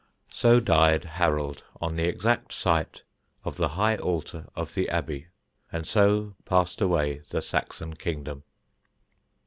So died Harold, on the exact site of the high altar of the Abbey, and so passed away the Saxon kingdom.